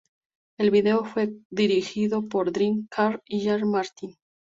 El video fue co-dirigido por Dean Karr y Jay Martin.